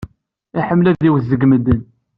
Iḥemmel ad iwet deg medden.